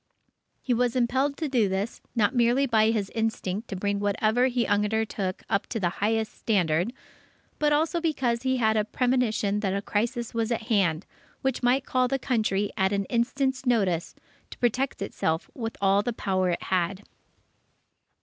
He was impelled to do this, not merely by his instinct to bring whatever he undertook up to the highest standard, but also because he had a premonition that a crisis was at hand, which might call the Country, at an instant's notice, to protect itself with all the power it had.